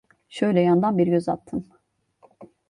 Şöyle yandan bir göz attım.